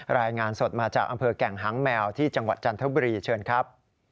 รายงานสดมาจากอำเภอแก่งหางแมวที่จังหวัดจันทบุรีเชิญครับ